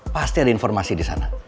pasti ada informasi di sana